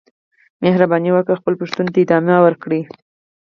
مهرباني وکړئ خپلو پوښتنو ته ادامه ورکړئ.